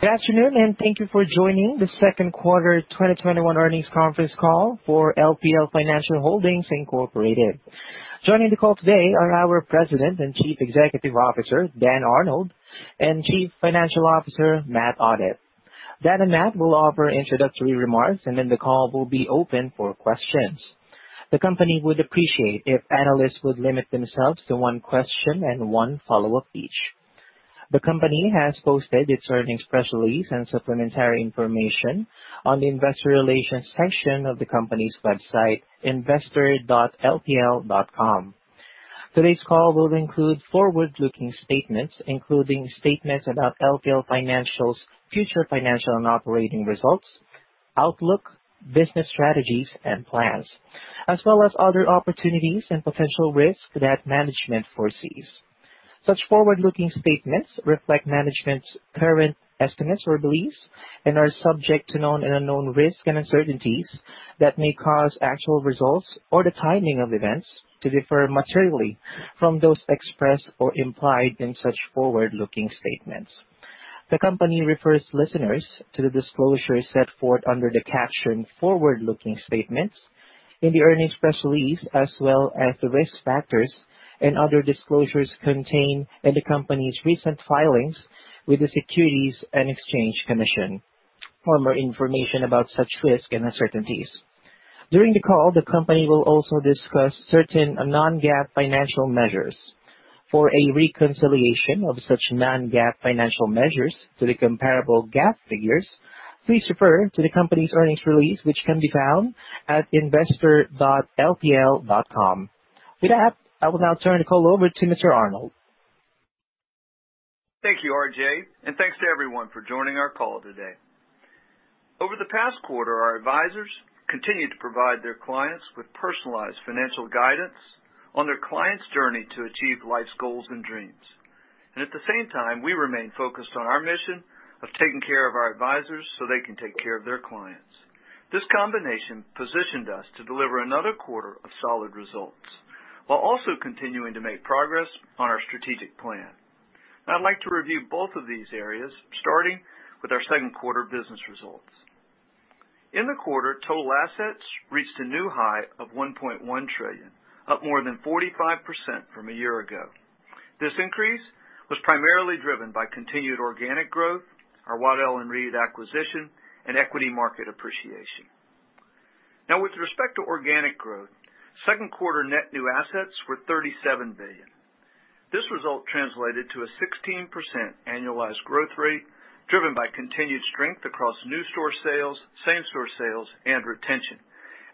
Good afternoon, and thank you for joining the second quarter 2021 earnings conference call for LPL Financial Holdings Incorporated. Joining the call today are our President and Chief Executive Officer, Dan Arnold, and Chief Financial Officer, Matt Audette. Dan and Matt will offer introductory remarks, and then the call will be open for questions. The company would appreciate if analysts would limit themselves to one question and one follow-up each. The company has posted its earnings press release and supplementary information on the investor relations section of the company's website, investor.lpl.com. Today's call will include forward-looking statements, including statements about LPL Financial's future financial and operating results, outlook, business strategies, and plans, as well as other opportunities and potential risks that management foresees. Such forward-looking statements reflect management's current estimates or beliefs and are subject to known and unknown risks and uncertainties that may cause actual results or the timing of events to differ materially from those expressed or implied in such forward-looking statements. The company refers listeners to the disclosures set forth under the caption Forward-Looking Statements in the earnings press release, as well as the risk factors and other disclosures contained in the company's recent filings with the Securities and Exchange Commission for more information about such risks and uncertainties. During the call, the company will also discuss certain non-GAAP financial measures. For a reconciliation of such non-GAAP financial measures to the comparable GAAP figures, please refer to the company's earnings release, which can be found at investor.lpl.com. With that, I will now turn the call over to Mr. Arnold. Thank you, RJ. Thanks to everyone for joining our call today. Over the past quarter, our advisors continued to provide their clients with personalized financial guidance on their client's journey to achieve life's goals and dreams. At the same time, we remain focused on our mission of taking care of our advisors so they can take care of their clients. This combination positioned us to deliver another quarter of solid results while also continuing to make progress on our strategic plan. I'd like to review both of these areas, starting with our second quarter business results. In the quarter, total assets reached a new high of $1.1 trillion, up more than 45% from a year ago. This increase was primarily driven by continued organic growth, our Waddell & Reed acquisition, and equity market appreciation. With respect to organic growth, second quarter net new assets were $37 billion. This result translated to a 16% annualized growth rate driven by continued strength across new store sales, same store sales, and retention,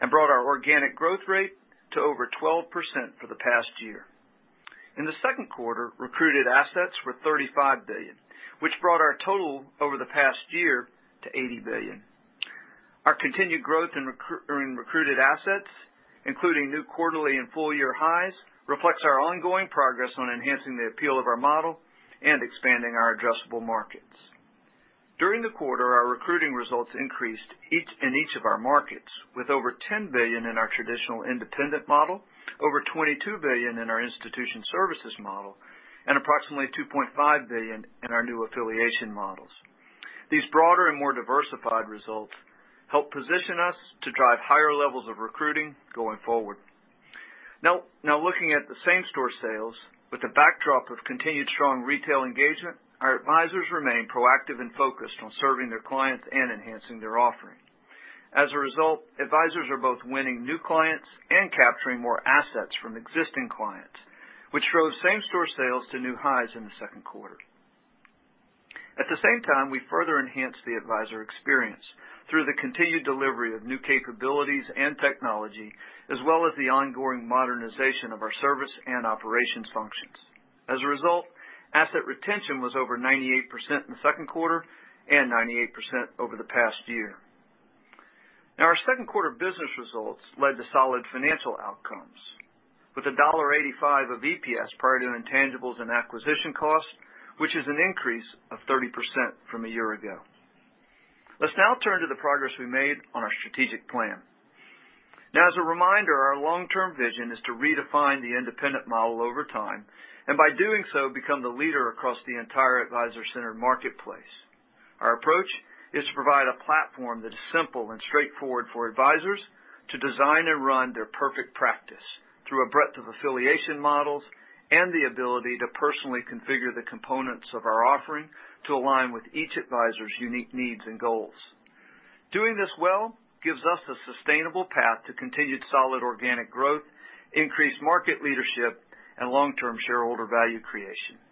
and brought our organic growth rate to over 12% for the past year. In the second quarter, recruited assets were $35 billion, which brought our total over the past year to $80 billion. Our continued growth in recruited assets, including new quarterly and full-year highs, reflects our ongoing progress on enhancing the appeal of our model and expanding our addressable markets. During the quarter, our recruiting results increased in each of our markets with over $10 billion in our traditional independent model, over $22 billion in our institution services model, and approximately $2.5 billion in our new affiliation models. These broader and more diversified results help position us to drive higher levels of recruiting going forward. Looking at the same store sales with the backdrop of continued strong retail engagement, our advisors remain proactive and focused on serving their clients and enhancing their offering. As a result, advisors are both winning new clients and capturing more assets from existing clients, which drove same store sales to new highs in the second quarter. At the same time, we further enhanced the advisor experience through the continued delivery of new capabilities and technology, as well as the ongoing modernization of our service and operations functions. As a result asset retention was over 98% in the second quarter and 98% over the past year. Our second quarter business results led to solid financial outcomes with a $1.85 of EPS prior to intangibles and acquisition costs, which is an increase of 30% from a year ago. Let's now turn to the progress we made on our strategic plan. As a reminder, our long-term vision is to redefine the independent model over time, and by doing so, become the leader across the entire advisor-centered marketplace. Our approach is to provide a platform that is simple and straightforward for advisors to design and run their perfect practice through a breadth of affiliation models and the ability to personally configure the components of our offering to align with each advisor's unique needs and goals. Doing this well gives us a sustainable path to continued solid organic growth, increased market leadership, and long-term shareholder value creation.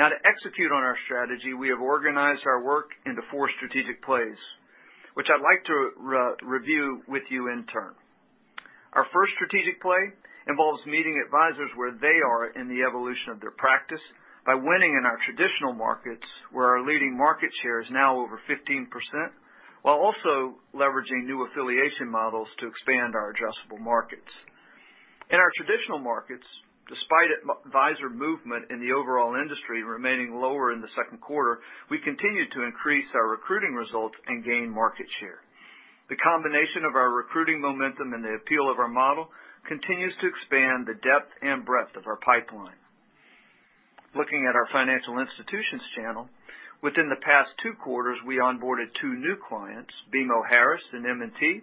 To execute on our strategy, we have organized our work into four strategic plays, which I'd like to review with you in turn. Our first strategic play involves meeting advisors where they are in the evolution of their practice by winning in our traditional markets, where our leading market share is now over 15%, while also leveraging new affiliation models to expand our addressable markets. In our traditional markets, despite advisor movement in the overall industry remaining lower in the second quarter, we continued to increase our recruiting results and gain market share. The combination of our recruiting momentum and the appeal of our model continues to expand the depth and breadth of our pipeline. Looking at our financial institutions channel, within the past two quarters, we onboarded two new clients, BMO Harris and M&T.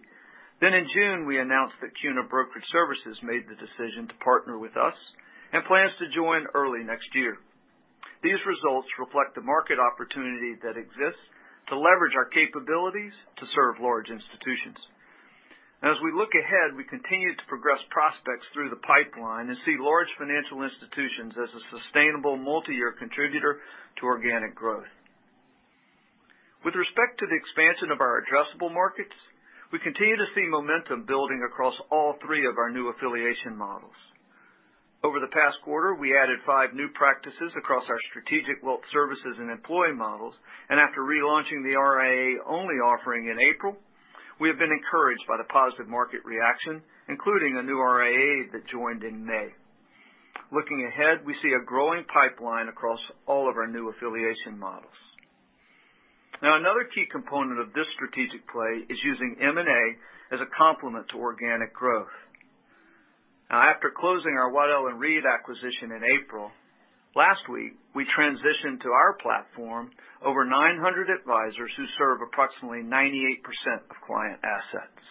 In June, we announced that CUNA Brokerage Services made the decision to partner with us and plans to join early next year. These results reflect the market opportunity that exists to leverage our capabilities to serve large institutions. As we look ahead, we continue to progress prospects through the pipeline and see large financial institutions as a sustainable multi-year contributor to organic growth. With respect to the expansion of our addressable markets, we continue to see momentum building across all three of our new affiliation models. Over the past quarter, we added five new practices across our Strategic Wealth Services and employee models, and after relaunching the RIA-only offering in April, we have been encouraged by the positive market reaction, including a new RIA that joined in May. Looking ahead, we see a growing pipeline across all of our new affiliation models. Another key component of this strategic play is using M&A as a complement to organic growth. After closing our Waddell & Reed acquisition in April, last week, we transitioned to our platform over 900 advisors who serve approximately 98% of client assets.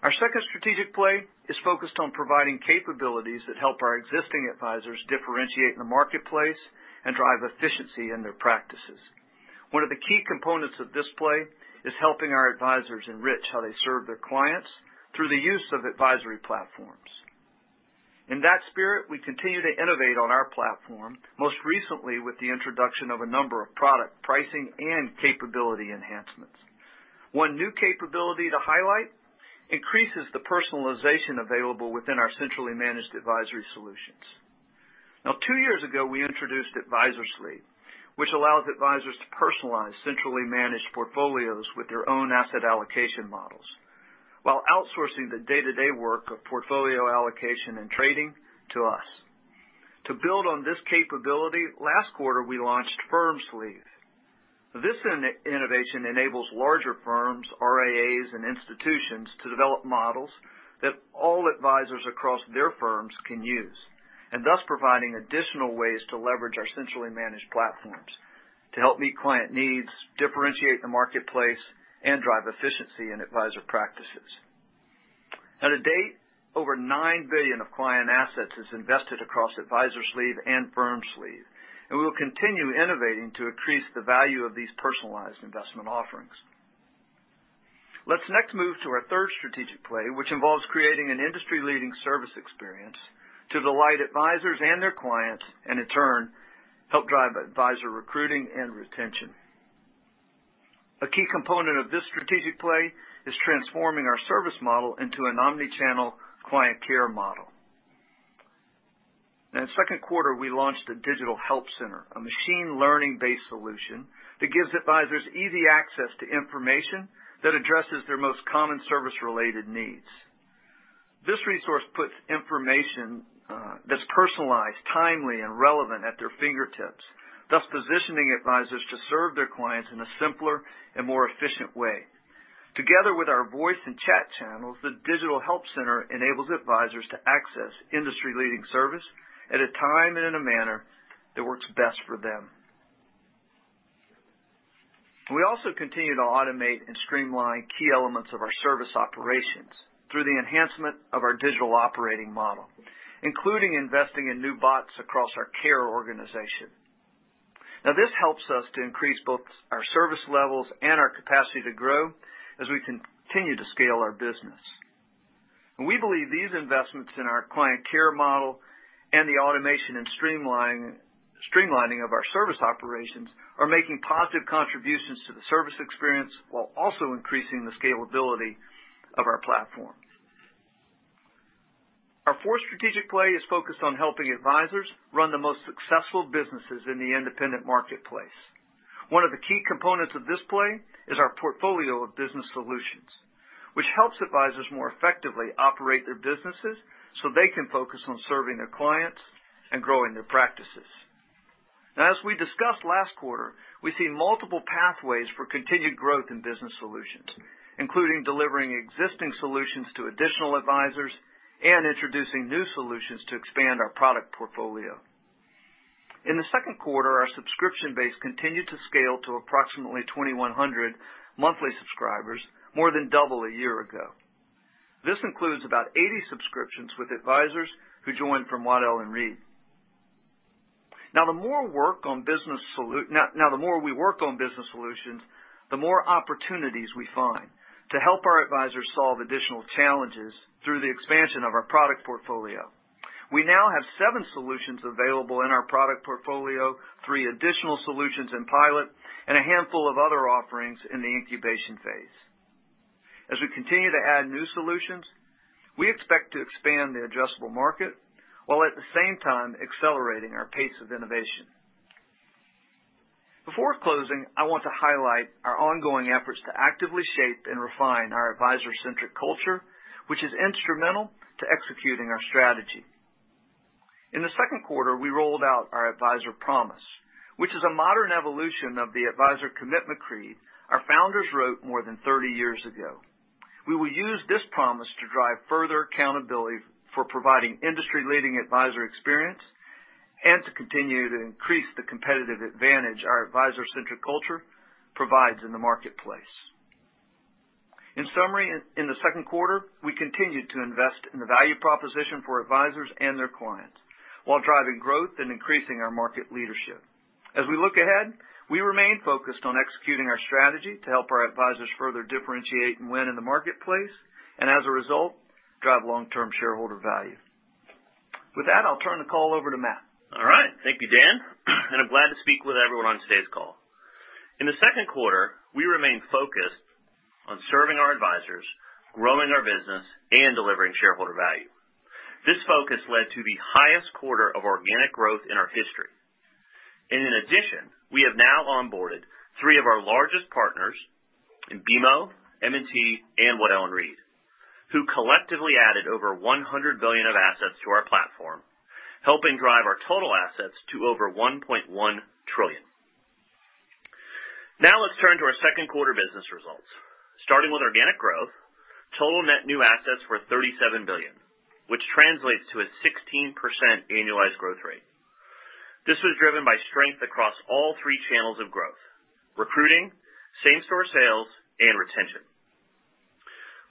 Our second strategic play is focused on providing capabilities that help our existing advisors differentiate in the marketplace and drive efficiency in their practices. One of the key components of this play is helping our advisors enrich how they serve their clients through the use of advisory platforms. In that spirit, we continue to innovate on our platform, most recently with the introduction of a number of product pricing and capability enhancements. One new capability to highlight increases the personalization available within our centrally managed advisory solutions. Two years ago, we introduced Advisor Sleeve, which allows advisors to personalize centrally-managed portfolios with their own asset allocation models while outsourcing the day-to-day work of portfolio allocation and trading to us. To build on this capability, last quarter, we launched Firm Sleeve. This innovation enables larger firms, RIAs, and institutions to develop models that all advisors across their firms can use, thus providing additional ways to leverage our centrally managed platforms to help meet client needs, differentiate the marketplace, and drive efficiency in advisor practices. To date, over $9 billion of client assets is invested across Advisor Sleeve and Firm Sleeve, we will continue innovating to increase the value of these personalized investment offerings. Let's next move to our third strategic play, which involves creating an industry-leading service experience to delight advisors and their clients, in turn, help drive advisor recruiting and retention. A key component of this strategic play is transforming our service model into an omni-channel client care model. Now, in second quarter, we launched the Digital Help Center, a machine learning-based solution that gives advisors easy access to information that addresses their most common service-related needs. This resource puts information that's personalized, timely, and relevant at their fingertips, thus positioning advisors to serve their clients in a simpler and more efficient way. Together with our voice and chat channels, the Digital Help Center enables advisors to access industry-leading service at a time and in a manner that works best for them. We also continue to automate and streamline key elements of our service operations through the enhancement of our digital operating model, including investing in new bots across our care organization. Now, this helps us to increase both our service levels and our capacity to grow as we continue to scale our business. We believe these investments in our client care model and the automation and streamlining of our service operations are making positive contributions to the service experience while also increasing the scalability of our platform. Our fourth strategic play is focused on helping advisors run the most successful businesses in the independent marketplace. One of the key components of this play is our portfolio of business solutions, which helps advisors more effectively operate their businesses so they can focus on serving their clients and growing their practices. Now, as we discussed last quarter, we see multiple pathways for continued growth in business solutions, including delivering existing solutions to additional advisors and introducing new solutions to expand our product portfolio. In the second quarter, our subscription base continued to scale to approximately 2,100 monthly subscribers, more than double a year ago. This includes about 80 subscriptions with advisors who joined from Waddell & Reed. Now, the more we work on business solutions, the more opportunities we find to help our advisors solve additional challenges through the expansion of our product portfolio. We now have seven solutions available in our product portfolio, three additional solutions in pilot, and a handful of other offerings in the incubation phase. As we continue to add new solutions, we expect to expand the addressable market while at the same time accelerating our pace of innovation. Before closing, I want to highlight our ongoing efforts to actively shape and refine our advisor-centric culture, which is instrumental to executing our strategy. In the second quarter, we rolled out our Advisor Promise, which is a modern evolution of the Advisor Commitment Creed our founders wrote more than 30 years ago. We will use this promise to drive further accountability for providing industry-leading advisor experience and to continue to increase the competitive advantage our advisor-centric culture provides in the marketplace. In summary, in the second quarter, we continued to invest in the value proposition for advisors and their clients while driving growth and increasing our market leadership. As we look ahead, we remain focused on executing our strategy to help our advisors further differentiate and win in the marketplace, and as a result, drive long-term shareholder value. With that, I'll turn the call over to Matt. All right. Thank you, Dan. I'm glad to speak with everyone on today's call. In the second quarter, we remained focused on serving our advisors, growing our business, and delivering shareholder value. This focus led to highest quarter of our organic growth in our fiscal. In addition, we have now onboarded three of our largest partners in BMO, M&T, and Waddell & Reed, who collectively added over $100 billion of assets to our platform, helping drive our total assets to over $1.1 trillion. Let's turn to our second quarter business results. Starting with organic growth, total net new assets were $37 billion, which translates to a 16% annualized growth rate. This was driven by strength across all 3 channels of growth, recruiting, same-store sales, and retention.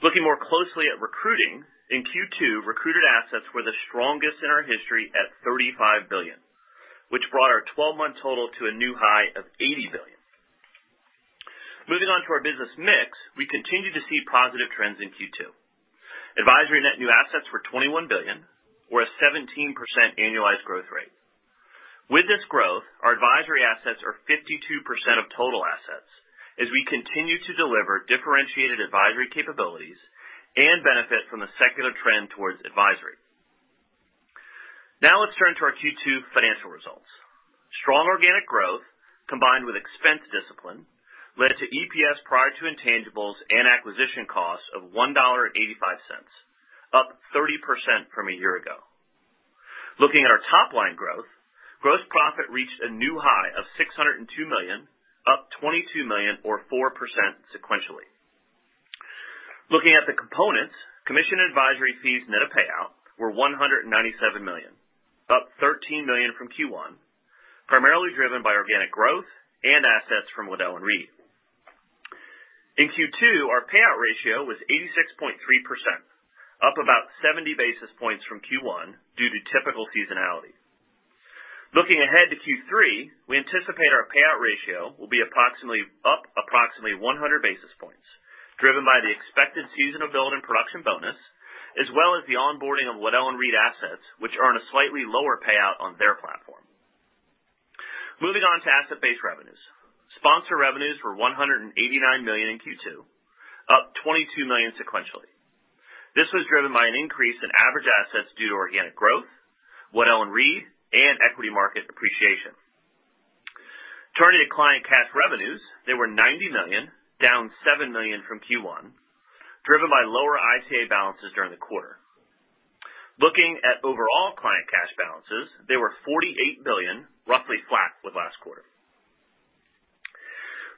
Looking more closely at recruiting, in Q2, recruited assets were the strongest in our history at $35 billion, which brought our 12-month total to a new high of $80 billion. Moving on to our business mix. We continued to see positive trends in Q2. Advisory net new assets were $21 billion or a 17% annualized growth rate. With this growth, our advisory assets are 52% of total assets as we continue to deliver differentiated advisory capabilities and benefit from the secular trend towards advisory. Now let's turn to our Q2 financial results. Strong organic growth combined with expense discipline led to EPS prior to intangibles and acquisition costs of $1.85, up 30% from a year ago. Looking at our top-line growth, gross profit reached a new high of $602 million, up $22 million or 4% sequentially. Looking at the components, commission advisory fees net of payout were $197 million, up $13 million from Q1, primarily driven by organic growth and assets from Waddell & Reed. In Q2, our payout ratio was 86.3%, up about 70 basis points from Q1 due to typical seasonality. Looking ahead to Q3, we anticipate our payout ratio will be up approximately 100 basis points, driven by the expected seasonality build and production bonus, as well as the onboarding of Waddell & Reed assets, which earn a slightly lower payout on their platform. Moving on to asset-based revenues. Sponsor revenues were $189 million in Q2, up $22 million sequentially. This was driven by an increase in average assets due to organic growth, Waddell & Reed, and equity market appreciation. Turning to client cash revenues, they were $90 million, down $7 million from Q1, driven by lower ICA balances during the quarter. Looking at overall client cash balances, they were $48 billion, roughly flat with last quarter.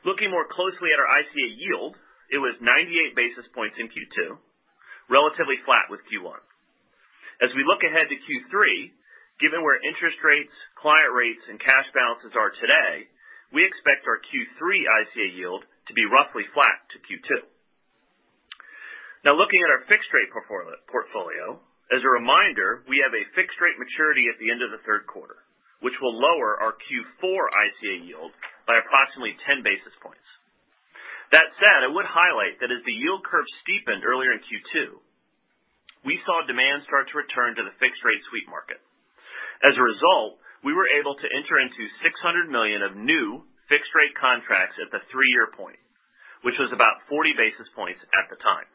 Looking more closely at our ICA yield, it was 98 basis points in Q2, relatively flat with Q1. As we look ahead to Q3, given where interest rates, client rates, and cash balances are today, we expect our Q3 ICA yield to be roughly flat to Q2. Now looking at our fixed-rate portfolio. As a reminder, we have a fixed-rate maturity at the end of the third quarter, which will lower our Q4 ICA yield by approximately 10 basis points. That said, I would highlight that as the yield curve steepened earlier in Q2, we saw demand start to return to the fixed-rate sweep market. As a result, we were able to enter into $600 million of new fixed-rate contracts at the three-year point, which was about 40 basis points at the time.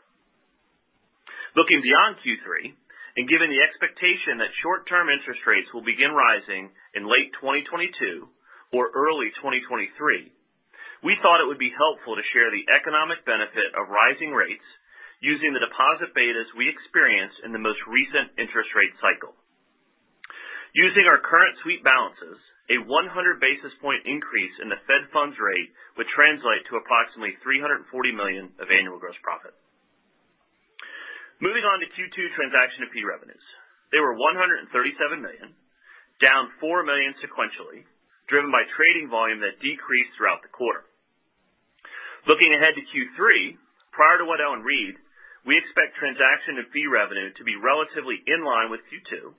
Looking beyond Q3 and given the expectation that short-term interest rates will begin rising in late 2022 or early 2023, we thought it would be helpful to share the economic benefit of rising rates using the deposit betas we experienced in the most recent interest rate cycle. Using our current sweep balances, a 100-basis point increase in the Fed funds rate would translate to approximately $340 million of annual gross profit. Moving on to Q2 transaction and fee revenues. They were $137 million, down $4 million sequentially, driven by trading volume that decreased throughout the quarter. Looking ahead to Q3, prior to Waddell & Reed, we expect transaction and fee revenue to be relatively in line with Q2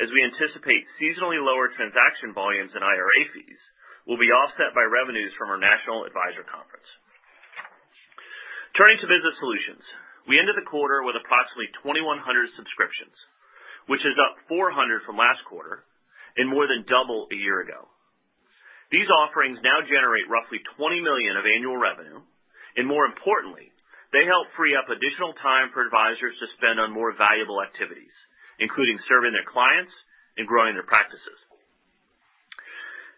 as we anticipate seasonally lower transaction volumes and IRA fees will be offset by revenues from our National Advisor Conference. Turning to business solutions. We ended the quarter with approximately 2,100 subscriptions, which is up 400 from last quarter and more than double a year ago. These offerings now generate roughly $20 million of annual revenue. More importantly, they help free up additional time for advisors to spend on more valuable activities, including serving their clients and growing their practice.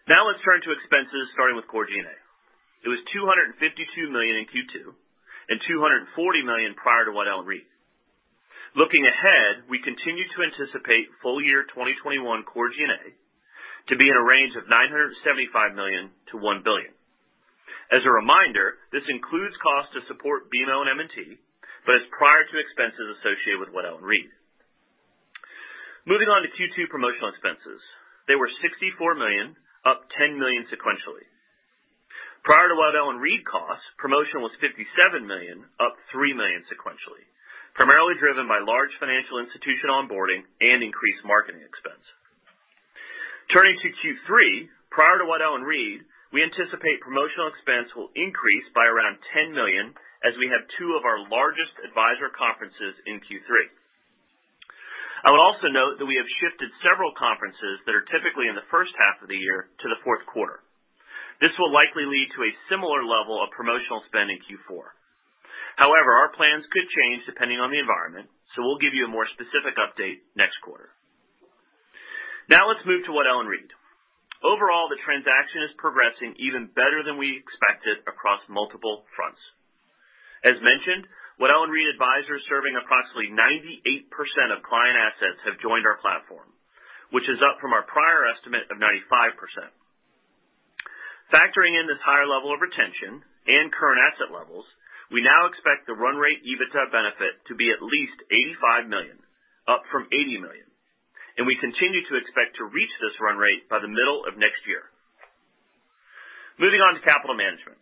Now let's turn to expenses, starting with core G&A. It was $252 million in Q2 and $240 million prior to Waddell & Reed. Looking ahead, we continue to anticipate full year 2021 core G&A to be in a range of $975 million-$1 billion. As a reminder, this includes cost to support BMO and M&T, but is prior to expenses associated with Waddell & Reed. Moving on to Q2 promotional expenses. They were $64 million, up $10 million sequentially. Prior to Waddell & Reed costs, promotional was $57 million, up $3 million sequentially, primarily driven by large financial institution onboarding and increased marketing expense. Turning to Q3, prior to Waddell & Reed, we anticipate promotional expense will increase by around $10 million as we have two of our largest advisor conferences in Q3. I would also note that we have shifted several conferences that are typically in the first half of the year to the fourth quarter. This will likely lead to a similar level of promotional spend in Q4. Our plans could change depending on the environment, so we'll give you a more specific update next quarter. Let's move to Waddell & Reed. Overall, the transaction is progressing even better than we expected across multiple fronts. As mentioned, Waddell & Reed advisors serving approximately 98% of client assets have joined our platform, which is up from our prior estimate of 95%. Factoring in this higher level of retention and current asset levels, we now expect the run rate EBITDA benefit to be at least $85 million, up from $80 million, and we continue to expect to reach this run rate by the middle of next year. Moving on to capital management.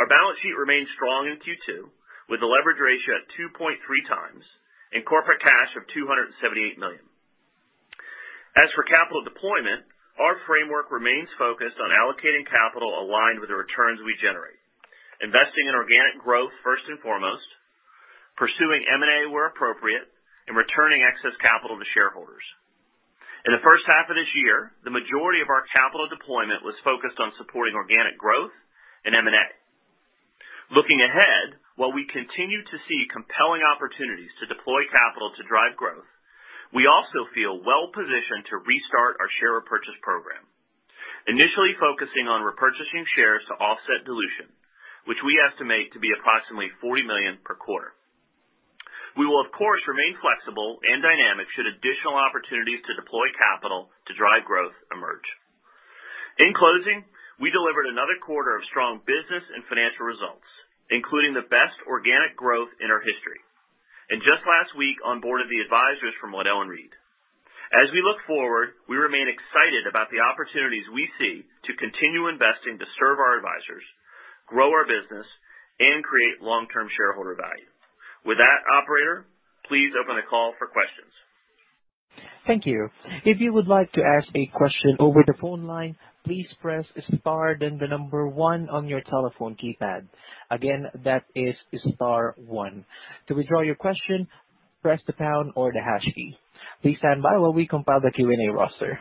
Our balance sheet remained strong in Q2, with a leverage ratio at 2.3x and corporate cash of $278 million. As for capital deployment, our framework remains focused on allocating capital aligned with the returns we generate, investing in organic growth first and foremost, pursuing M&A where appropriate, and returning excess capital to shareholders. In the first half of this year, the majority of our capital deployment was focused on supporting organic growth and M&A. Looking ahead, while we continue to see compelling opportunities to deploy capital to drive growth, we also feel well-positioned to restart our share repurchase program, initially focusing on repurchasing shares to offset dilution, which we estimate to be approximately $40 million per quarter. We will, of course, remain flexible and dynamic should additional opportunities to deploy capital to drive growth emerge. In closing, we delivered another quarter of strong business and financial results, including the best organic growth in our history. Just last week onboarded the advisors from Waddell & Reed. As we look forward, we remain excited about the opportunities we see to continue investing to serve our advisors, grow our business, and create long-term shareholder value. With that, operator, please open the call for questions. Thank you. If you would like to ask a question over the phone line, please press star then one on your telephone keypad. Again, that is star one. To withdraw your question, press the pound or the hash key. Please stand by while we compile the Q&A roster.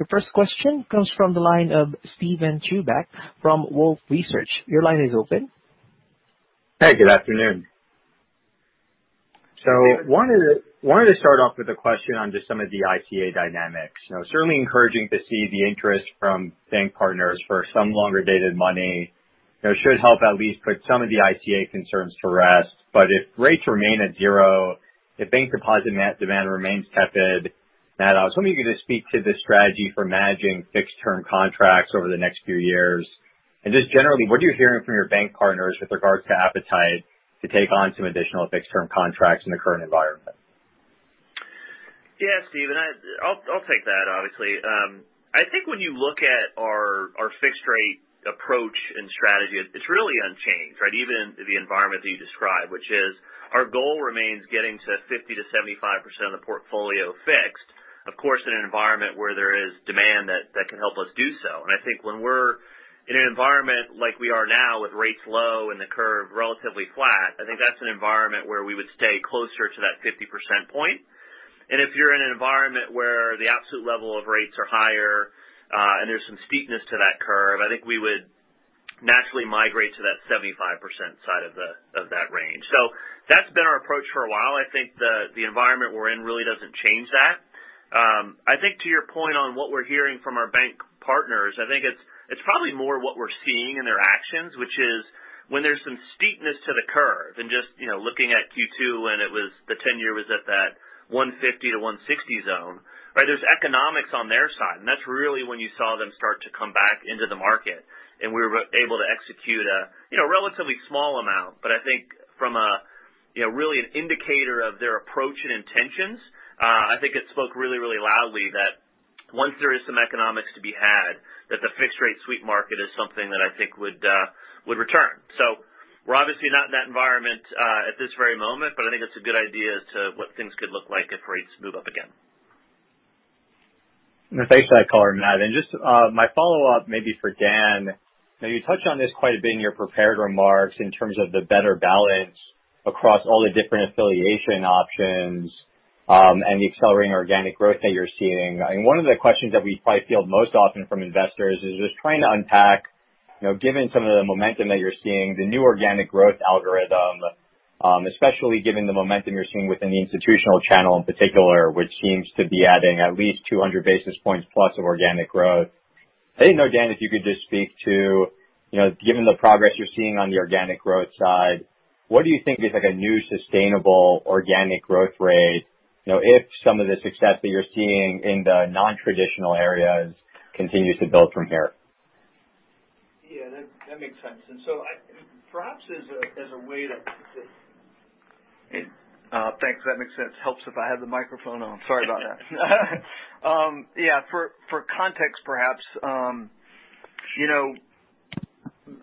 Your first question comes from the line of Steven Chubak from Wolfe Research. Your line is open. Hey, good afternoon. Wanted to start off with a question on just some of the ICA dynamics. Certainly encouraging to see the interest from bank partners for some longer-dated money. It should help at least put some of the ICA concerns to rest. If rates remain at zero, if bank deposit demand remains tepid, Matt, I was wondering if you could just speak to the strategy for managing fixed-term contracts over the next few years. Just generally, what are you hearing from your bank partners with regards to appetite to take on some additional fixed-term contracts in the current environment? Yeah, Steven. I'll take that, obviously. I think when you look at our fixed-rate approach and strategy, it's really unchanged, right? Even in the environment that you described, which is our goal remains getting to 50%-75% of the portfolio fixed, of course, in an environment where there is demand that can help us do so. I think when we're in an environment like we are now with rates low and the curve relatively flat, I think that's an environment where we would stay closer to that 50% point. If you're in an environment where the absolute level of rates are higher, and there's some steepness to that curve, I think we would naturally migrate to that 75% side of that range. That's been our approach for a while. I think the environment we're in really doesn't change that. I think to your point on what we're hearing from our bank partners, I think it's probably more what we're seeing in their actions, which is when there's some steepness to the curve and just looking at Q2 when the tenure was at that 150-160 zone, there's economics on their side. That's really when you saw them start to come back into the market, and we were able to execute a relatively small amount. I think from really an indicator of their approach and intentions, I think it spoke really, really loudly that once there is some economics to be had, that the fixed-rate sweep market is something that I think would return. We're obviously not in that environment at this very moment, but I think it's a good idea as to what things could look like if rates move up again. Thanks for that color, Matt. Just my follow-up maybe for Dan. You touched on this quite a bit in your prepared remarks in terms of the better balance across all the different affiliation options, and the accelerating organic growth that you're seeing. One of the questions that we probably field most often from investors is just trying to unpack, given some of the momentum that you're seeing, the new organic growth algorithm, especially given the momentum you're seeing within the institutional channel in particular, which seems to be adding at least 200+ basis points of organic growth. I didn't know, Dan, if you could just speak to, given the progress you're seeing on the organic growth side, what do you think is a new sustainable organic growth rate if some of the success that you're seeing in the non-traditional areas continues to build from here? Yeah, that makes sense. Perhaps as a way to Thanks. That makes sense. Helps if I have the microphone on. Sorry about that. Yeah. For context, perhaps.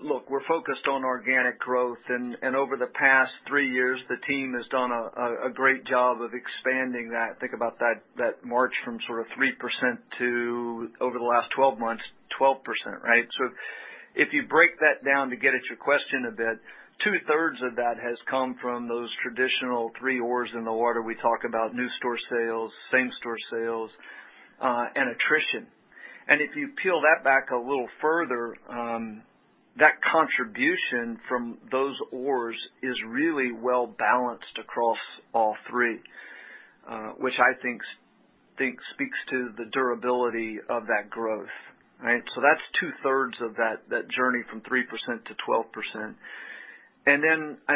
Look, we're focused on organic growth, and over the past three years, the team has done a great job of expanding that. Think about that march from 3% to, over the last 12 months, 12%, right? If you break that down, to get at your question a bit, 2/3 of that has come from those traditional three oars in the water we talk about. New store sales, same store sales, and attrition. If you peel that back a little further, that contribution from those oars is really well-balanced across all three, which I think speaks to the durability of that growth. Right? That's 2/3 of that journey from 3% to 12%. I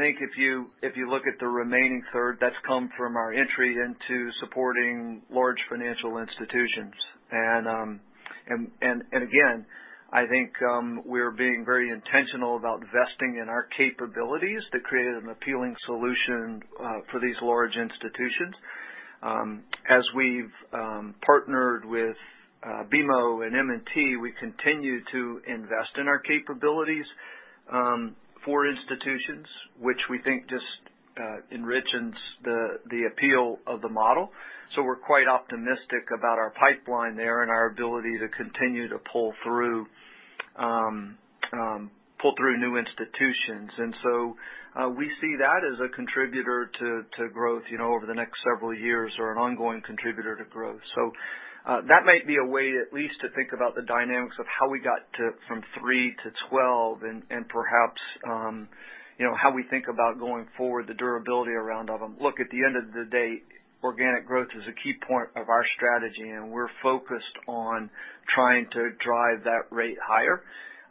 think if you look at the remaining third, that's come from our entry into supporting large financial institutions. Again, I think we're being very intentional about investing in our capabilities to create an appealing solution for these large institutions. As we've partnered with BMO and M&T, we continue to invest in our capabilities for institutions, which we think just enriches the appeal of the model. We're quite optimistic about our pipeline there and our ability to continue to pull through new institutions. We see that as a contributor to growth over the next several years or an ongoing contributor to growth. That might be a way at least to think about the dynamics of how we got from 3% to 12% and perhaps how we think about going forward the durability around all of them. Look, at the end of the day, organic growth is a key point of our strategy, and we're focused on trying to drive that rate higher.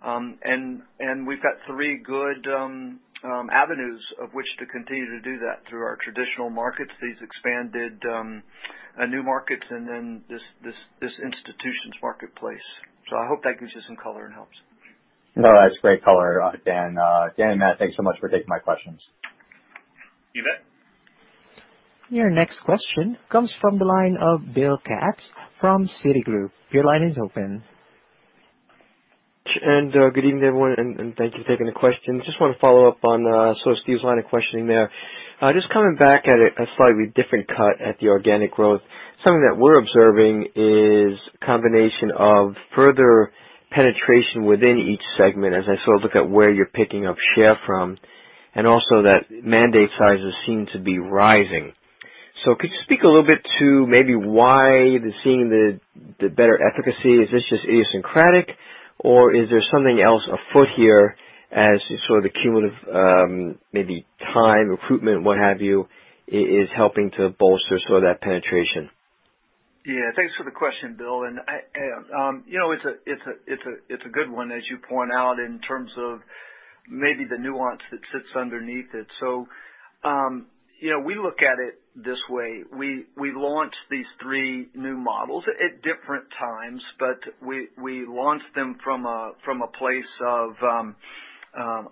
We've got three good avenues of which to continue to do that through our traditional markets, these expanded new markets, and then this institutions marketplace. I hope that gives you some color and helps. No, that's great color, Dan. Dan and Matt, thanks so much for taking my questions. You bet. Your next question comes from the line of Bill Katz from Citigroup. Your line is open. Good evening, everyone, and thank you for taking the question. I just want to follow up on Steven's line of questioning there. Just coming back at it, a slightly different cut at the organic growth. Something that we're observing is a combination of further penetration within each segment as I sort of look at where you're picking up share from, and also that mandate sizes seem to be rising. Could you speak a little bit to maybe why they're seeing the better efficacy? Is this just idiosyncratic or is there something else afoot here as sort of the cumulative maybe time recruitment, what have you, is helping to bolster some of that penetration? Yeah, thanks for the question, Bill. It's a good one, as you point out, in terms of maybe the nuance that sits underneath it. We look at it this way. We launched these three new models at different times, but we launched them from a place of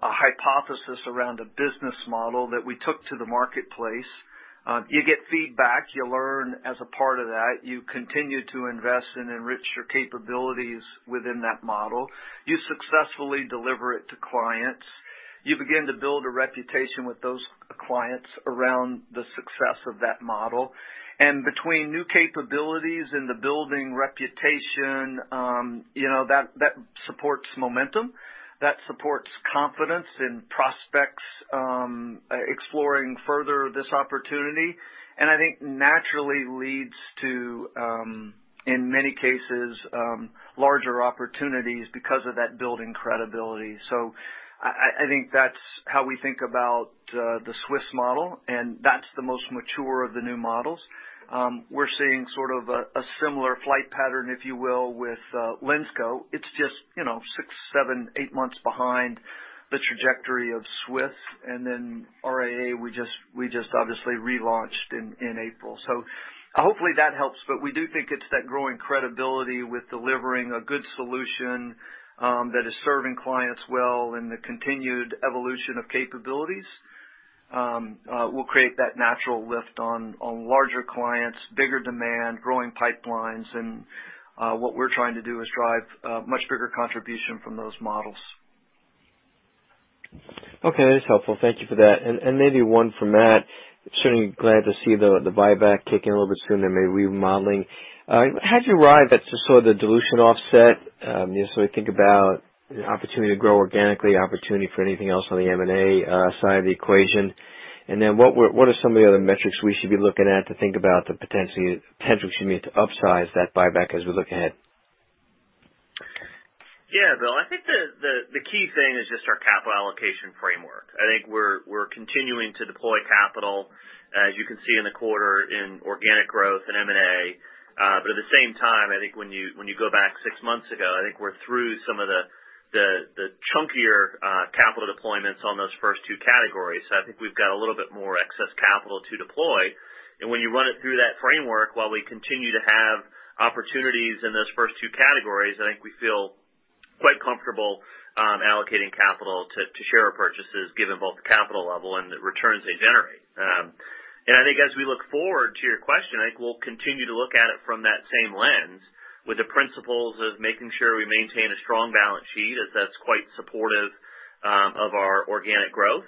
a hypothesis around a business model that we took to the marketplace. You get feedback, you learn as a part of that. You continue to invest and enrich your capabilities within that model. You successfully deliver it to clients. You begin to build a reputation with those clients around the success of that model. Between new capabilities and the building reputation, that supports momentum. That supports confidence in prospects exploring further this opportunity. I think naturally leads to, in many cases, larger opportunities because of that building credibility. I think that's how we think about the SWS model, and that's the most mature of the new models. We're seeing sort of a similar flight pattern, if you will, with Linsco. It's just six, seven, eight months behind the trajectory of SWS. RIA, we just obviously relaunched in April. Hopefully that helps. We do think it's that growing credibility with delivering a good solution that is serving clients well and the continued evolution of capabilities will create that natural lift on larger clients, bigger demand, growing pipelines. What we're trying to do is drive much bigger contribution from those models. Okay. That is helpful. Thank you for that. Maybe one for Matt. Certainly glad to see the buyback kicking a little bit sooner, maybe remodeling. How'd you arrive at sort of the dilution offset? You know, sort of think about the opportunity to grow organically, opportunity for anything else on the M&A side of the equation. What are some of the other metrics we should be looking at to think about the potential for you to upsize that buyback as we look ahead? Yeah. Bill, I think the key thing is just our capital allocation framework. I think we're continuing to deploy capital, as you can see in the quarter, in organic growth and M&A. At the same time, I think when you go back six months ago, I think we're through some of the chunkier capital deployments on those first two categories. I think we've got a little bit more excess capital to deploy. When you run it through that framework, while we continue to have opportunities in those first two categories, I think we feel quite comfortable allocating capital to share repurchases, given both the capital level and the returns they generate. I think as we look forward to your question, I think we'll continue to look at it from that same lens with the principles of making sure we maintain a strong balance sheet that's quite supportive of our organic growth.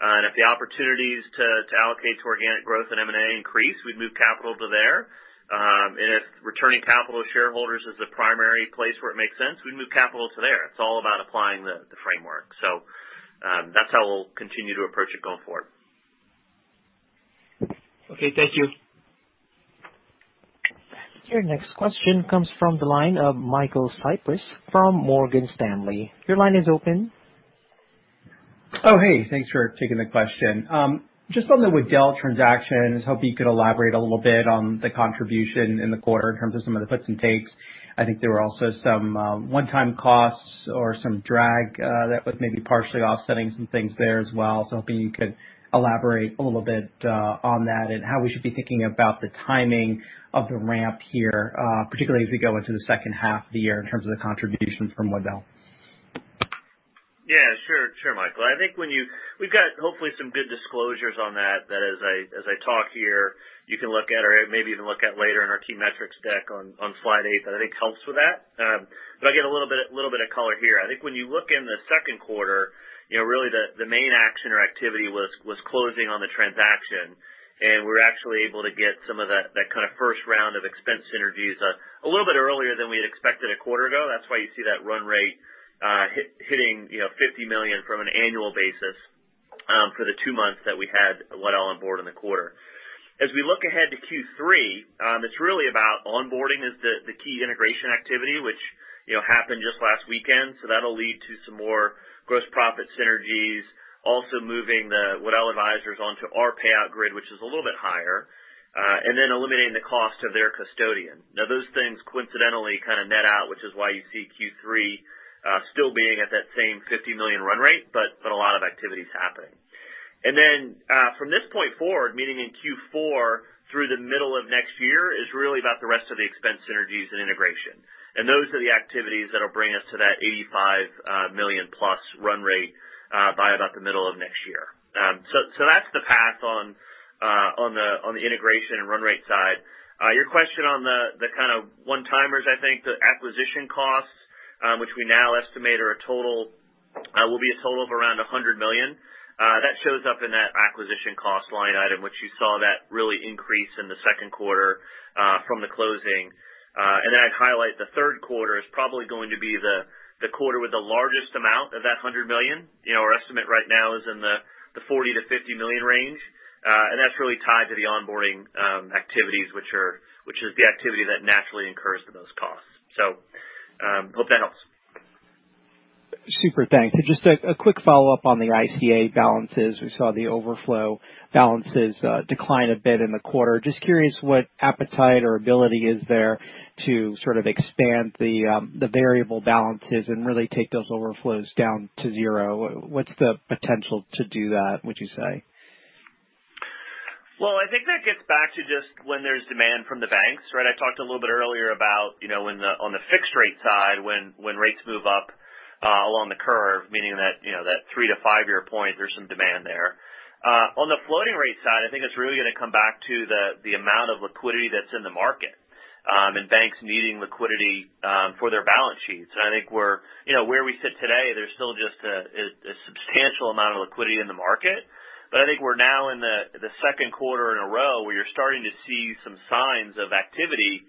If the opportunities to allocate to organic growth and M&A increase, we'd move capital to there. If returning capital to shareholders is the primary place where it makes sense, we'd move capital to there. It's all about applying the framework. That's how we'll continue to approach it going forward. Okay. Thank you. Your next question comes from the line of Michael Cyprys from Morgan Stanley. Your line is open. Oh, hey, thanks for taking the question. Just on the Waddell transaction, I was hoping you could elaborate a little bit on the contribution in the quarter in terms of some of the puts and takes. I think there were also some one-time costs or some drag that was maybe partially offsetting some things there as well. Hoping you could elaborate a little bit on that and how we should be thinking about the timing of the ramp here, particularly as we go into the second half of the year in terms of the contribution from Waddell. Yeah, sure, Michael. I think we've got hopefully some good disclosures on that as I talk here, you can look at or maybe even look at later in our key metrics deck on slide eight that I think helps with that. I get a little bit of color here. I think when you look in the second quarter, really the main action or activity was closing on the transaction, and we're actually able to get some of that kind of first round of expense synergies a little bit earlier than we had expected a quarter ago. That's why you see that run rate hitting $50 million from an annual basis for the two months that we had Waddell on board in the quarter. As we look ahead to Q3, it's really about onboarding is the key integration activity, which happened just last weekend. That'll lead to some more gross profit synergies. Also moving the Waddell advisors onto our payout grid, which is a little bit higher, and then eliminating the cost of their custodian. Those things coincidentally kind of net out, which is why you see Q3 still being at that same $50 million run rate, but a lot of activities happening. From this point forward, meaning in Q4 through the middle of next year, is really about the rest of the expense synergies and integration. Those are the activities that'll bring us to that $85+ million run rate by about the middle of next year. That's the path on the integration and run rate side. Your question on the kind of one-timers, I think the acquisition costs, which we now estimate will be a total of around $100 million. That shows up in that acquisition cost line item, which you saw that really increase in the second quarter from the closing. I'd highlight the third quarter is probably going to be the quarter with the largest amount of that $100 million. Our estimate right now is in the $40 million-$50 million range. That's really tied to the onboarding activities, which is the activity that naturally incurs those costs. Hope that helps. Super, thanks. Just a quick follow-up on the ICA balances. We saw the overflow balances decline a bit in the quarter. Just curious what appetite or ability is there to sort of expand the variable balances and really take those overflows down to zero. What's the potential to do that, would you say? Well, I think that gets back to just when there's demand from the banks, right? I talked a little bit earlier about on the fixed rate side, when rates move up along the curve, meaning that three to five year point, there's some demand there. On the floating rate side, I think it's really going to come back to the amount of liquidity that's in the market, and banks needing liquidity for their balance sheets. I think where we sit today, there's still just a substantial amount of liquidity in the market. I think we're now in the second quarter in a row where you're starting to see some signs of activity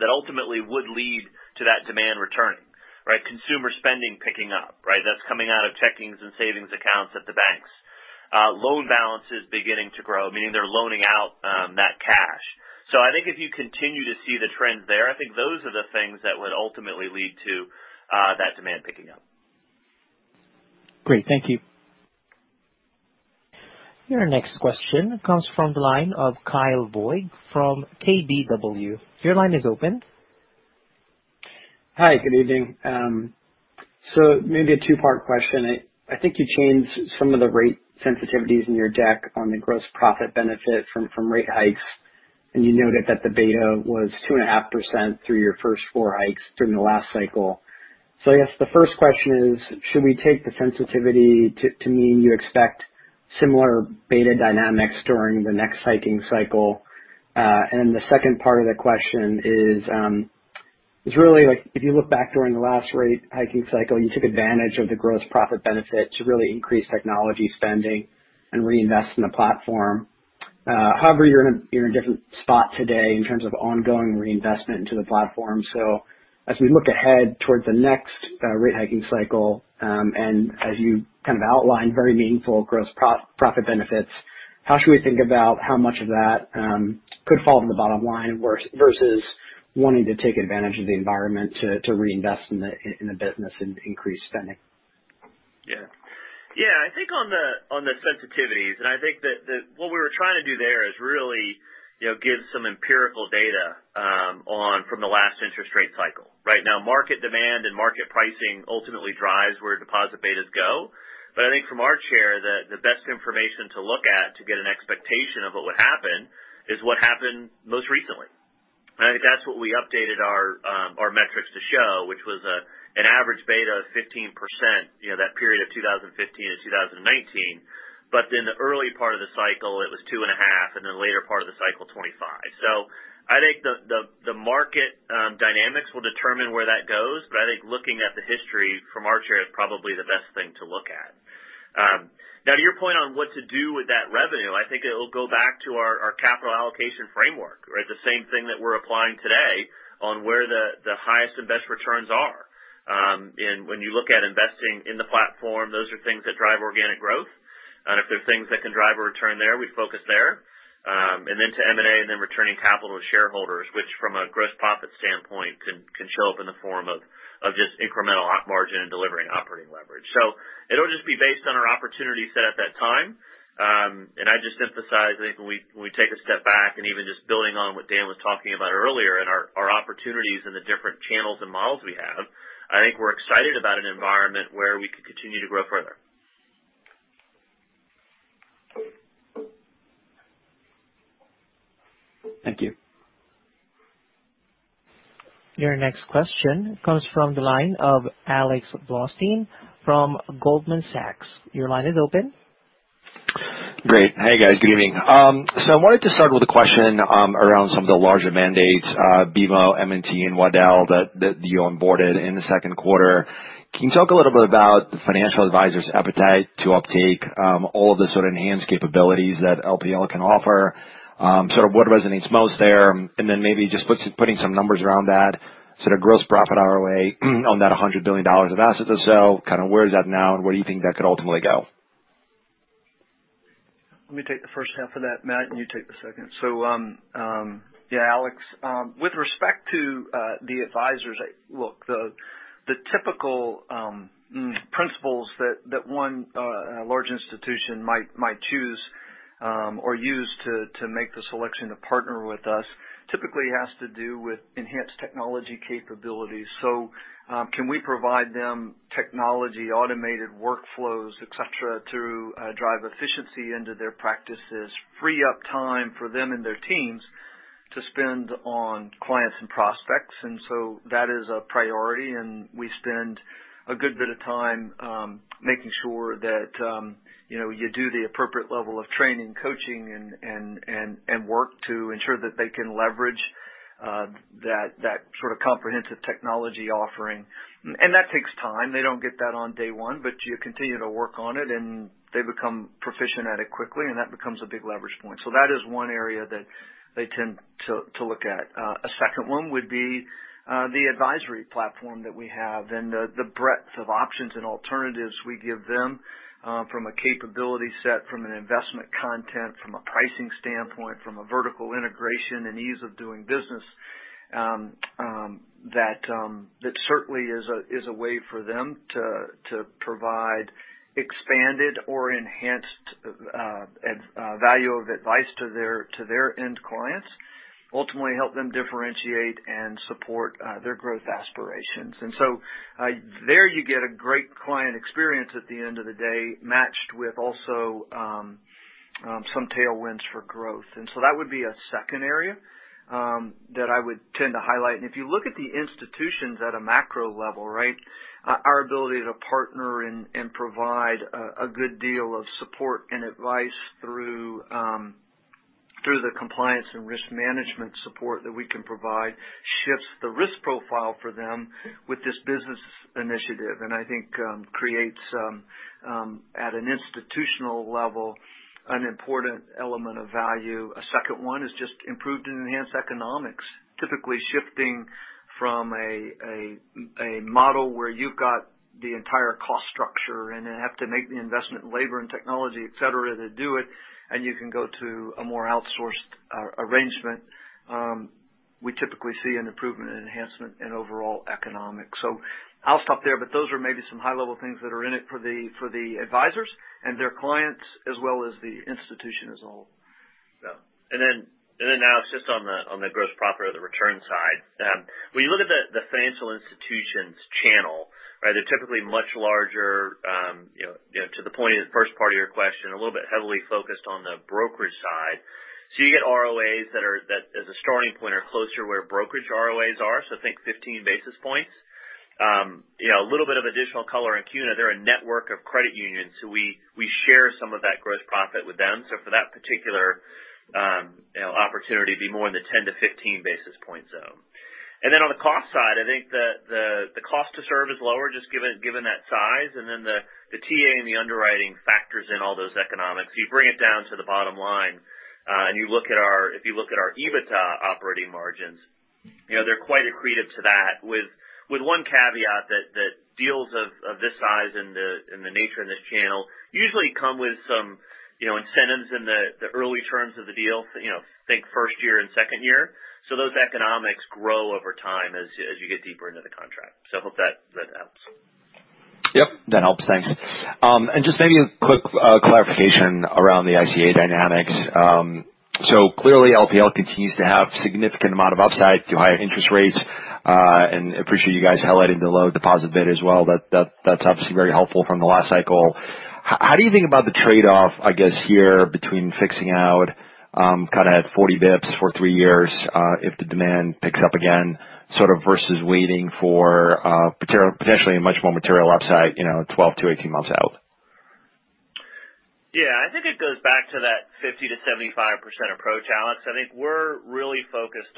that ultimately would lead to that demand returning. Right. Consumer spending picking up. That's coming out of checkings and savings accounts at the banks. Loan balances beginning to grow, meaning they're loaning out that cash. I think if you continue to see the trends there, I think those are the things that would ultimately lead to that demand picking up. Great. Thank you. Your next question comes from the line of Kyle Voigt from KBW. Your line is open. Hi, good evening. Maybe a two-part question. I think you changed some of the rate sensitivities in your deck on the gross profit benefit from rate hikes, and you noted that the beta was 2.5% through your first four hikes during the last cycle. I guess the first question is, should we take the sensitivity to mean you expect similar beta dynamics during the next hiking cycle? The second part of the question is really if you look back during the last rate hiking cycle, you took advantage of the gross profit benefit to really increase technology spending and reinvest in the platform. However, you're in a different spot today in terms of ongoing reinvestment into the platform. As we look ahead towards the next rate hiking cycle, and as you outlined very meaningful gross profit benefits, how should we think about how much of that could fall to the bottom line versus wanting to take advantage of the environment to reinvest in the business and increase spending? I think on the sensitivities, I think that what we were trying to do there is really give some empirical data from the last interest rate cycle. Right now, market demand and market pricing ultimately drives where deposit betas go. I think from our chair, the best information to look at to get an expectation of what would happen is what happened most recently. I think that's what we updated our metrics to show, which was an average beta of 15%, that period of 2015 to 2019. In the early part of the cycle, it was 2.5%, later part of the cycle, 25%. I think the market dynamics will determine where that goes. I think looking at the history from our chair is probably the best thing to look at. Now, to your point on what to do with that revenue, I think it'll go back to our capital allocation framework, right? The same thing that we're applying today on where the highest and best returns are. When you look at investing in the platform, those are things that drive organic growth. If there are things that can drive a return there, we focus there. Then to M&A and then returning capital to shareholders, which from a gross profit standpoint, can show up in the form of just incremental margin and delivering operating leverage. It'll just be based on our opportunity set at that time. I just emphasize, I think when we take a step back and even just building on what Dan was talking about earlier and our opportunities and the different channels and models we have, I think we're excited about an environment where we could continue to grow further. Thank you. Your next question comes from the line of Alex Blostein from Goldman Sachs. Your line is open. Great. Hey, guys. Good evening. I wanted to start with a question around some of the larger mandates, BMO, M&T, and Waddell, that you onboarded in the second quarter. Can you talk a little bit about the financial advisor's appetite to uptake all of the sort of enhanced capabilities that LPL can offer? Sort of what resonates most there, and then maybe just putting some numbers around that sort of gross profit ROA on that $100 billion of assets or so, kind of where is that now, and where do you think that could ultimately go? Let me take the first half of that, Matt, and you take the second. Yeah, Alex, with respect to the advisors, look, the typical principles that one large institution might choose or use to make the selection to partner with us typically has to do with enhanced technology capabilities. Can we provide them technology, automated workflows, etc, to drive efficiency into their practices, free up time for them and their teams to spend on clients and prospects. That is a priority, and we spend a good bit of time making sure that you do the appropriate level of training, coaching, and work to ensure that they can leverage that sort of comprehensive technology offering. That takes time. They don't get that on day one, but you continue to work on it, and they become proficient at it quickly, and that becomes a big leverage point. That is one area that they tend to look at. A second one would be the advisory platform that we have and the breadth of options and alternatives we give them from a capability set, from an investment content, from a pricing standpoint, from a vertical integration and ease of doing business. That certainly is a way for them to provide expanded or enhanced value of advice to their end clients, ultimately help them differentiate and support their growth aspirations. There you get a great client experience at the end of the day, matched with also some tailwinds for growth. That would be a second area that I would tend to highlight. If you look at the institutions at a macro level, our ability to partner and provide a good deal of support and advice through the compliance and risk management support that we can provide shifts the risk profile for them with this business initiative, and I think creates, at an institutional level, an important element of value. A second one is just improved and enhanced economics. Typically shifting from a model where you've got the entire cost structure and then have to make the investment in labor and technology, et cetera, to do it, and you can go to a more outsourced arrangement. We typically see an improvement and enhancement in overall economics. I'll stop there, but those are maybe some high-level things that are in it for the advisors and their clients as well as the institution as a whole. Alex, just on the gross profit or the return side. When you look at the financial institutions channel, they're typically much larger, to the point in the first part of your question, a little bit heavily focused on the brokerage side. You get ROAs that as a starting point are closer to where brokerage ROAs are. Think 15 basis points. A little bit of additional color on CUNA. They're a network of credit unions, we share some of that gross profit with them. For that particular opportunity be more in the 10-15 basis-point zone. On the cost side, I think that the cost to serve is lower just given that size, and then the TA and the underwriting factors in all those economics. You bring it down to the bottom line. If you look at our EBITDA operating margins, they're quite accretive to that with one caveat, that deals of this size and the nature in this channel usually come with some incentives in the early terms of the deal. Think first year and second year. Those economics grow over time as you get deeper into the contract. I hope that helps. Yep, that helps. Thanks. Just maybe a quick clarification around the ICA dynamics. Clearly LPL continues to have significant amount of upside to higher interest rates. Appreciate you guys highlighting the low deposit bid as well. That's obviously very helpful from the last cycle. How do you think about the trade-off, I guess, here between fixing out kind of at 40 basis points for three years if the demand picks up again, sort of versus waiting for potentially a much more material upside 12-18 months out? Yeah. I think it goes back to that 50%-75% approach, Alex. I think we're really focused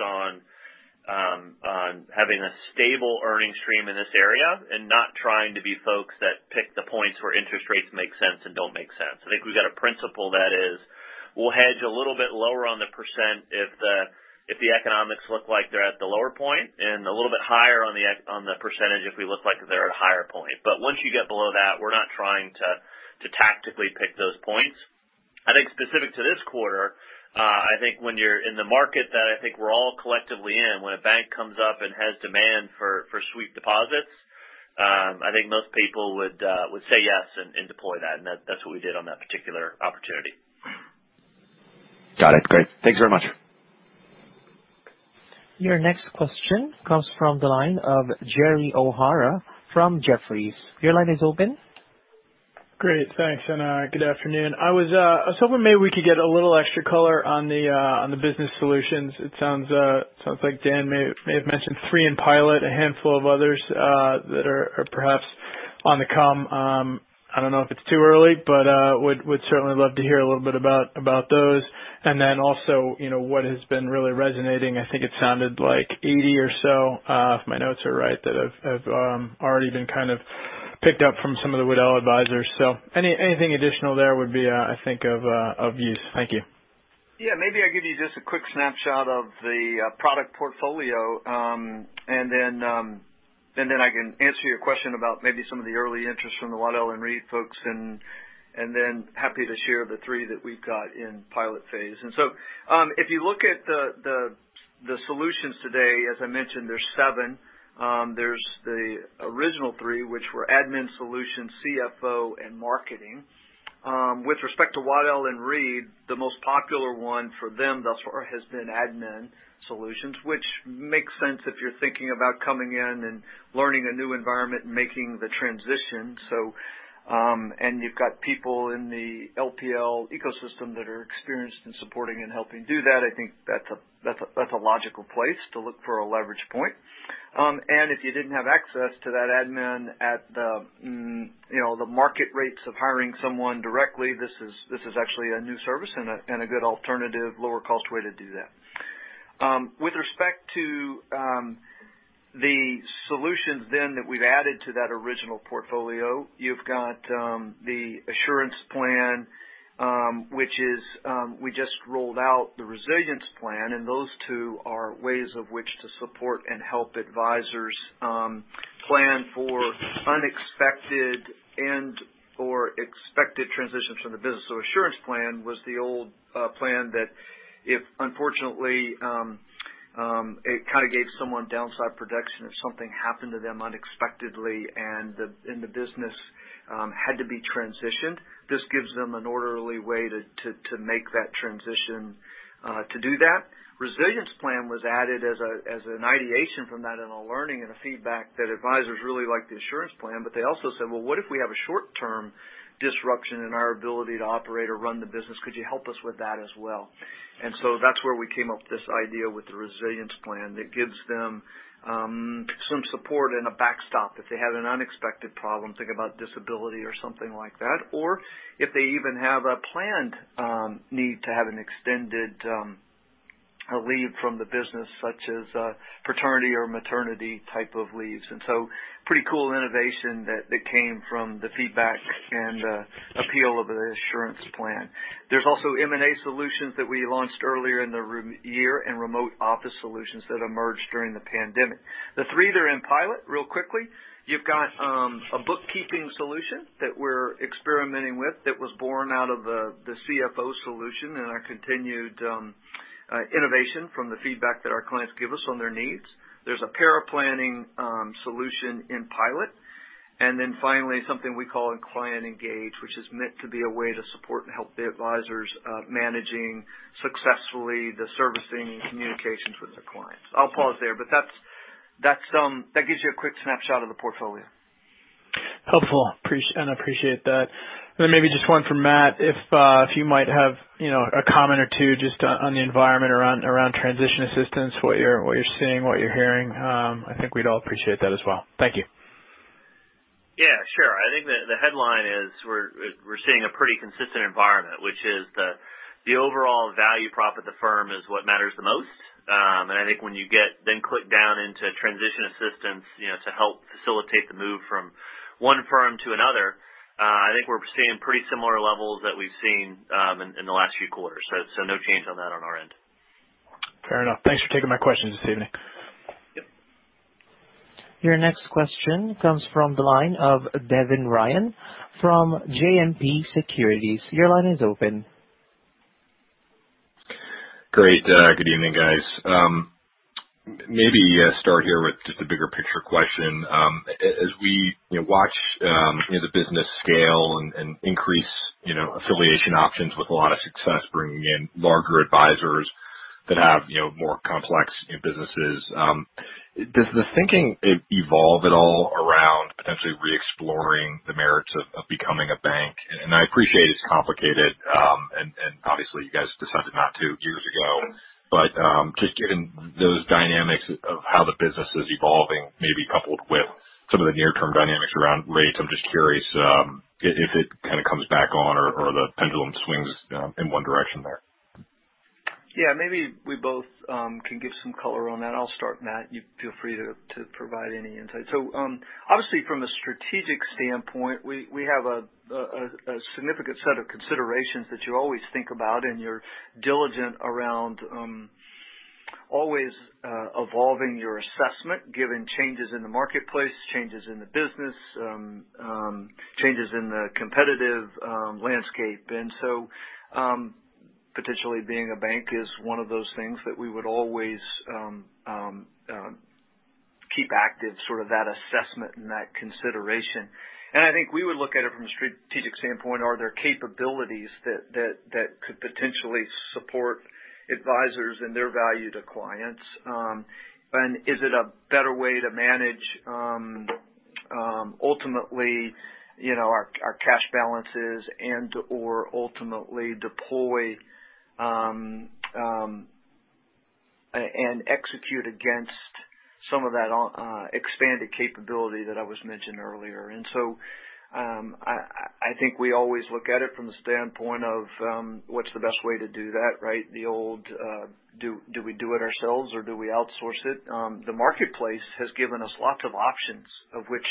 on having a stable earning stream in this area and not trying to be folks that pick the points where interest rates make sense and don't make sense. I think we've got a principle that is, we'll hedge a little bit lower on the % if the economics look like they're at the lower point, and a little bit higher on the percentage if we look like they're at a higher point. Once you get below that, we're not trying to tactically pick those points. I think specific to this quarter, I think when you're in the market that I think we're all collectively in, when a bank comes up and has demand for sweep deposits, I think most people would say yes and deploy that, and that's what we did on that particular opportunity. Got it. Great. Thanks very much. Your next question comes from the line of Gerry O'Hara from Jefferies. Your line is open. Great. Thanks, and good afternoon. I was hoping maybe we could get a little extra color on the business solutions. It sounds like Dan may have mentioned three in pilot, a handful of others that are perhaps on the come. I don't know if it's too early, but would certainly love to hear a little bit about those. What has been really resonating, I think it sounded like 80 or so, if my notes are right, that have already been kind of picked up from some of the Waddell advisors. Anything additional there would be, I think of use. Thank you. Maybe I'll give you just a quick snapshot of the product portfolio, then I can answer your question about maybe some of the early interest from the Waddell & Reed folks, then happy to share the three that we've got in pilot phase. If you look at the solutions today, as I mentioned, there's seven. There's the original three, which were Admin Solutions, CFO, and marketing. With respect to Waddell & Reed, the most popular one for them thus far has been Admin Solutions, which makes sense if you're thinking about coming in and learning a new environment and making the transition. You've got people in the LPL ecosystem that are experienced in supporting and helping do that. I think that's a logical place to look for a leverage point. If you didn't have access to that admin at the market rates of hiring someone directly, this is actually a new service and a good alternative, lower-cost way to do that. With respect to the solutions then that we've added to that original portfolio, you've got the Assurance Plan. We just rolled out the Resilience Plan. Those two are ways of which to support and help advisors plan for unexpected and/or expected transitions from the business. Assurance Plan was the old plan that if unfortunately, it kind of gave someone downside protection if something happened to them unexpectedly and the business had to be transitioned. This gives them an orderly way to make that transition to do that. Resilience Plan was added as an ideation from that in a learning and a feedback that advisors really like the Assurance Plan. They also said, well, what if we have a short-term disruption in our ability to operate or run the business? Could you help us with that as well? That's where we came up with this idea with the Resilience Plan that gives them some support and a backstop if they have an unexpected problem. Think about disability or something like that. If they even have a planned need to have an extended leave from the business, such as paternity or maternity type of leaves. Pretty cool innovation that came from the feedback and appeal of the Assurance Plan. There's also M&A Solutions that we launched earlier in the year and Remote Office Solutions that emerged during the pandemic. The three that are in pilot, real quickly. You've got a bookkeeping solution that we're experimenting with that was born out of the CFO Solutions and our continued innovation from the feedback that our clients give us on their needs. There's a paraplanning solution in pilot. Finally, something we call a Client Engage, which is meant to be a way to support and help the advisors managing successfully the servicing and communications with their clients. I'll pause there, but that gives you a quick snapshot of the portfolio. Helpful. Appreciate that. Maybe just one from Matt. If you might have a comment or two just on the environment around transition assistance, what you're seeing, what you're hearing? I think we'd all appreciate that as well. Thank you. Yeah, sure. I think the headline is we're seeing a pretty consistent environment, which is that the overall value prop of the firm is what matters the most. I think when you then click down into transition assistance to help facilitate the move from one firm to another, I think we're seeing pretty similar levels that we've seen in the last few quarters. No change on that on our end. Fair enough. Thanks for taking my questions this evening. Yep. Your next question comes from the line of Devin Ryan from JMP Securities. Your line is open. Great. Good evening, guys. Maybe start here with just a bigger picture question. As we watch the business scale and increase affiliation options with a lot of success, bringing in larger advisors that have more complex businesses, does the thinking evolve at all around potentially re-exploring the merits of becoming a bank? I appreciate it's complicated, and obviously you guys decided not to years ago, but just given those dynamics of how the business is evolving, maybe coupled with some of the near-term dynamics around rates, I'm just curious if it kind of comes back on or the pendulum swings in one direction there. Yeah. Maybe we both can give some color on that. I'll start, Matt. You feel free to provide any insight. Obviously from a strategic standpoint, we have a significant set of considerations that you always think about and you're diligent around always evolving your assessment given changes in the marketplace, changes in the business, changes in the competitive landscape. Potentially being a bank is one of those things that we would always keep active sort of that assessment and that consideration. I think we would look at it from a strategic standpoint. Are there capabilities that could potentially support advisors and their value to clients? Is it a better way to manage ultimately our cash balances and/or ultimately deploy and execute against some of that expanded capability that I was mentioning earlier? I think we always look at it from the standpoint of what's the best way to do that, right? The old do we do it ourselves or do we outsource it? The marketplace has given us lots of options of which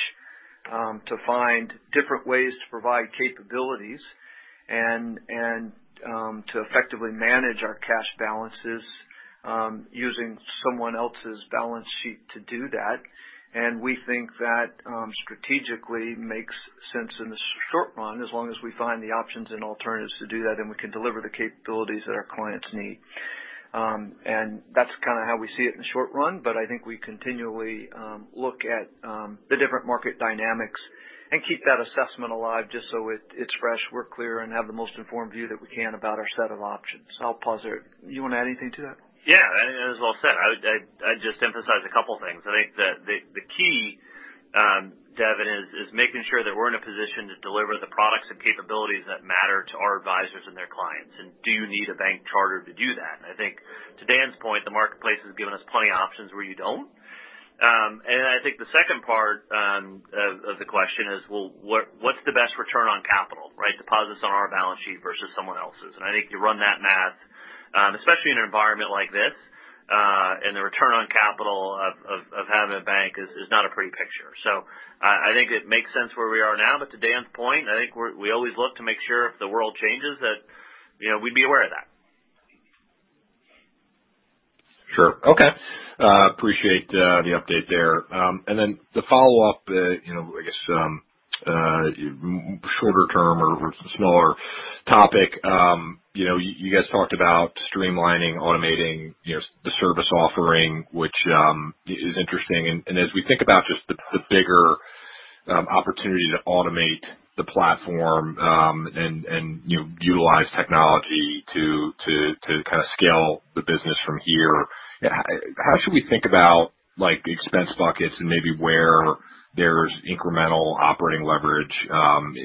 to find different ways to provide capabilities and to effectively manage our cash balances using someone else's balance sheet to do that. We think that strategically makes sense in the short run as long as we find the options and alternatives to do that, and we can deliver the capabilities that our clients need. That's kind of how we see it in the short run, but I think we continually look at the different market dynamics and keep that assessment alive just so it's fresh, we're clear, and have the most informed view that we can about our set of options. I'll pause there. You want to add anything to that? Yeah. I think that was well said. I'd just emphasize a couple things. I think that the key, Devin, is making sure that we're in a position to deliver the products and capabilities that matter to our advisors and their clients. Do you need a bank charter to do that? I think to Dan's point, the marketplace has given us plenty of options where you don't. I think the second part of the question is, well, what's the best return on capital, right? Deposits on our balance sheet versus someone else's. I think you run that math, especially in an environment like this, and the return on capital of having a bank is not a pretty picture. I think it makes sense where we are now. To Dan's point, I think we always look to make sure if the world changes that we'd be aware of that. Sure. Okay. Appreciate the update there. The follow-up, I guess, shorter term or smaller topic. You guys talked about streamlining, automating the service offering, which is interesting. As we think about just the bigger opportunity to automate the platform and utilize technology to kind of scale the business from here, how should we think about expense buckets and maybe where there's incremental operating leverage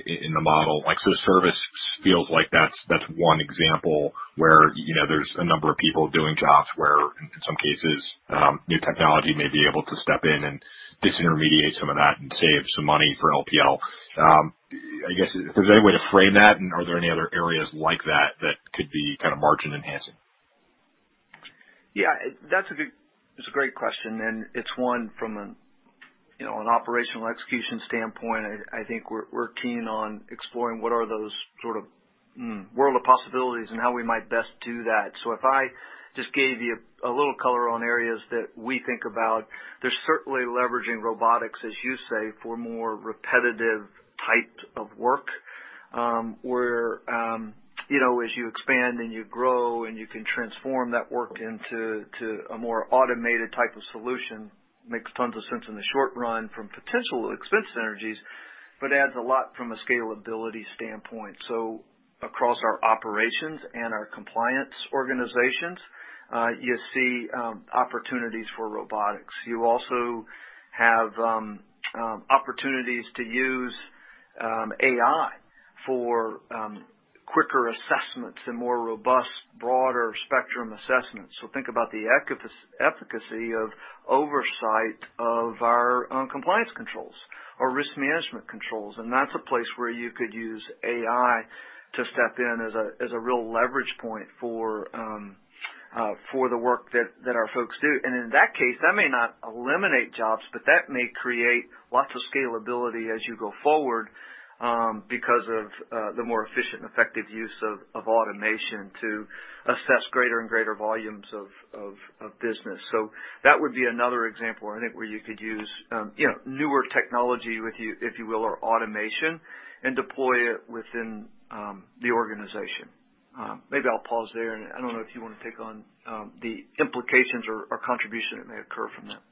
in the model? Service feels like that's one example where there's a number of people doing jobs where in some cases new technology may be able to step in and disintermediate some of that and save some money for LPL. I guess, is there any way to frame that? Are there any other areas like that that could be kind of margin-enhancing? Yeah. That's a great question. It's one from an operational execution standpoint. I think we're keen on exploring what are those sort of world of possibilities and how we might best do that. If I just gave you a little color on areas that we think about, there's certainly leveraging robotics, as you say, for more repetitive types of work. Where as you expand and you grow and you can transform that work into a more automated type of solution, makes tons of sense in the short run from potential expense synergies, but adds a lot from a scalability standpoint. Across our operations and our compliance organizations, you see opportunities for robotics. You also have opportunities to use AI for quicker assessments and more robust, broader spectrum assessments. Think about the efficacy of oversight of our compliance controls or risk management controls. That's a place where you could use AI to step in as a real leverage point for the work that our folks do. In that case, that may not eliminate jobs, but that may create lots of scalability as you go forward because of the more efficient and effective use of automation to assess greater and greater volumes of business. That would be another example, I think, where you could use newer technology if you will, or automation, and deploy it within the organization. Maybe I'll pause there, and I don't know if you want to take on the implications or contribution that may occur from that.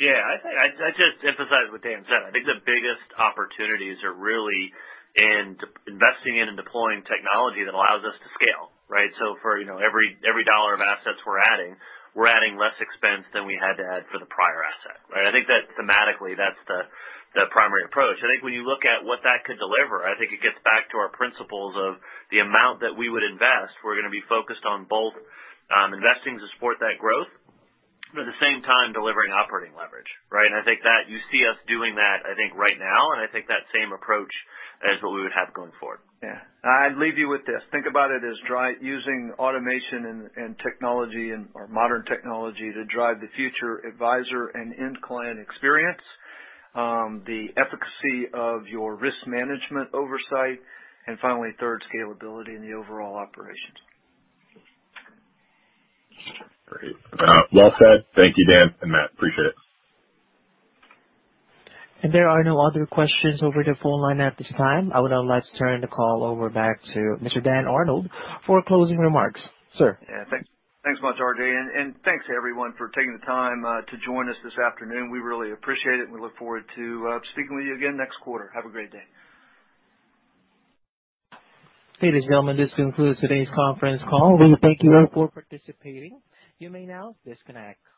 Yeah. I'd just emphasize what Dan said. I think the biggest opportunities are really in investing in and deploying technology that allows us to scale, right? For every dollar of assets we're adding, we're adding less expense than we had to add for the prior asset. I think that thematically that's the primary approach. I think when you look at what that could deliver, I think it gets back to our principles of the amount that we would invest. We're going to be focused on both investing to support that growth, but at the same time, delivering operating leverage, right? I think that you see us doing that, I think, right now, and I think that same approach is what we would have going forward. Yeah. I'd leave you with this. Think about it as using automation and technology or modern technology to drive the future advisor and end client experience, the efficacy of your risk management oversight, and finally, third, scalability in the overall operations. Great. Well said. Thank you, Dan and Matt. Appreciate it. There are no other questions over the phone line at this time. I would now like to turn the call over back to Mr. Dan Arnold for closing remarks. Sir. Yeah. Thanks much, RJ. Thanks everyone for taking the time to join us this afternoon. We really appreciate it, and we look forward to speaking with you again next quarter. Have a great day. Ladies and gentlemen, this concludes today's conference call. We thank you all for participating. You may now disconnect.